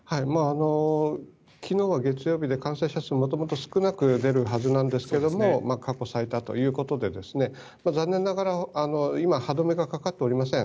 昨日は月曜日で感染者数元々少なく出るはずだったんですが過去最多ということで残念ながら今歯止めがかかっておりません。